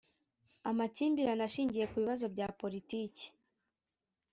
Amakimbirane ashingiye ku bibazo bya Politiki